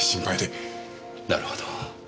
なるほど。